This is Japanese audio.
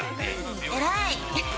偉い！